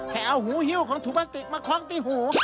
ให้เอาหูฮิ้วของถุงพลาสติกมาคล้องตีหู